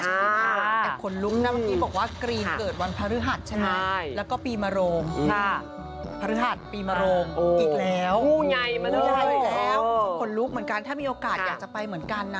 แต่คนลุกนะเมื่อกี้บอกว่ากลีนเกิดวันพฤหัสใช่ไหม